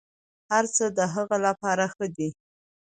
هرڅه د هغه لپاره ښه دي.